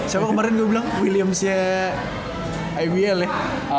siapa kemarin gue bilang williamsnya ibl ya